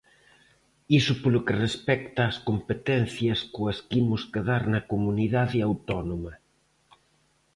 Iso polo que respecta ás competencias coas que imos quedar na comunidade autónoma.